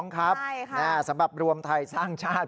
ครับสำหรับรวมไทยสร้างชาติ